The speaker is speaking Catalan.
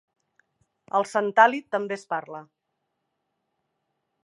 El santali també es parla.